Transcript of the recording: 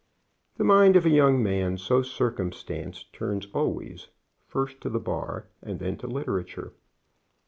The mind of a young man so circumstanced turns always first to the Bar, and then to literature.